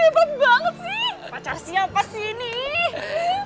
pacar siapa sih ini